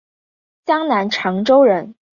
江南长洲人。